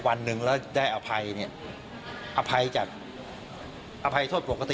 วันแล้วได้อภัยเนี่ย